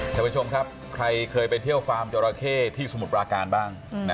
ค่ะช่วยชมครับใครเคยไปเที่ยวฟาร์มจอโรเคที่สมุดประการบ้าง